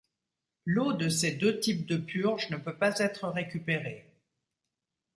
L’eau de ces deux types de purges ne peut pas être récupérée.